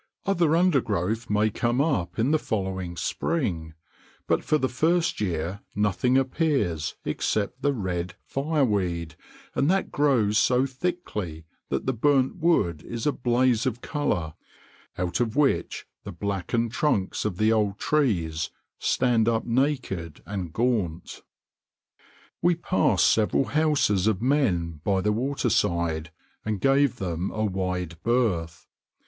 Other undergrowth may come up in the following spring, but for the first year nothing appears except the red 'fireweed,' and that grows so thickly that the burnt wood is a blaze of colour, out of which the blackened trunks of the old trees stand up naked and gaunt. We passed several houses of men by the waterside, and gave them a wide berth.